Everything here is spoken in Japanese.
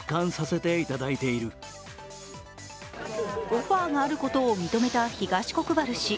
オファーがあることを認めた東国原氏。